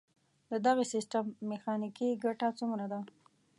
د دغه سیستم میخانیکي ګټه څومره ده؟